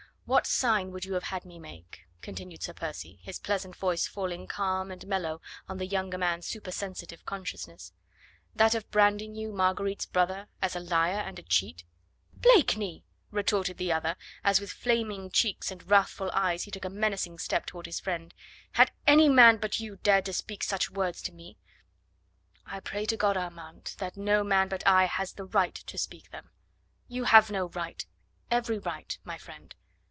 "What sign would you have had me make?" continued Sir Percy, his pleasant voice falling calm and mellow on the younger man's supersensitive consciousness: "That of branding you, Marguerite's brother, as a liar and a cheat?" "Blakeney!" retorted the other, as with flaming cheeks and wrathful eyes he took a menacing step toward his friend; "had any man but you dared to speak such words to me " "I pray to God, Armand, that no man but I has the right to speak them." "You have no right." "Every right, my friend.